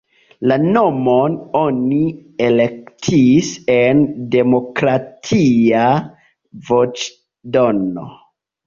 La nomon oni elektis en demokratia voĉdono.